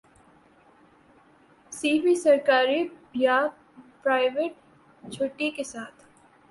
سی بھی سرکاری یا پرائیوٹ چھٹی کے ساتھ